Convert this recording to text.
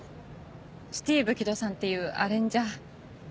スティーブ・キドさんっていうアレンジャー。